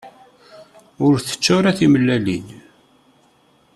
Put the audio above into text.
Ur ttettu ara timellalin.